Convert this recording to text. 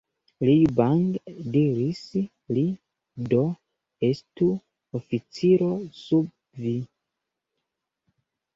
Liu Bang diris, Li do estu oficiro sub vi.